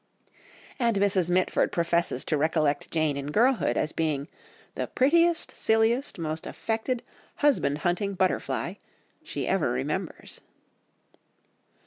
And Mrs. Mitford professes to recollect Jane in girlhood as being "the prettiest, silliest, most affected, husband hunting butterfly" she ever remembers.